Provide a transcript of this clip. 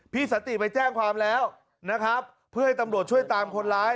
สันติไปแจ้งความแล้วนะครับเพื่อให้ตำรวจช่วยตามคนร้าย